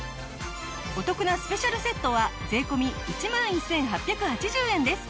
お得なスペシャルセットは税込１万１８８０円です。